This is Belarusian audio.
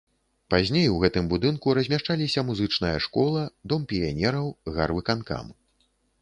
Пазней у гэтым будынку размяшчаліся музычная школа, дом піянераў, гарвыканкам.